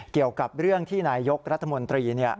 เกี่ยวกับเรื่องที่นายยกรัฐมนตรี